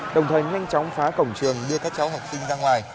đồng thời nhanh chóng phá cổng trường đưa các cháu học sinh ra ngoài